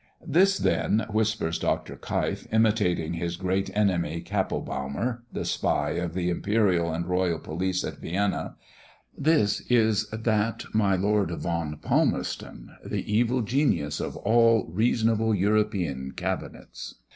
"This, then," whispers Dr. Keif, imitating his great enemy Kappelbaumer, the spy of the imperial and royal police at Vienna "this is that my Lord von Palmerston, the evil genius of all reasonable European Cabinets!